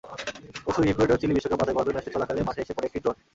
পরশু ইকুয়েডর-চিলি বিশ্বকাপ বাছাইপর্বের ম্যাচটি চলাকালে মাঠে এসে পড়ে একটি ড্রোন।